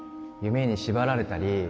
夢に縛られたり